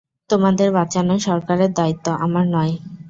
তোমাদের বাঁচানো সরকারের দায়িত্ব, আমার নয়।